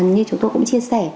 như chúng tôi cũng chia sẻ